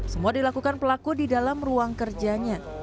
semua dilakukan pelaku di dalam ruang kerjanya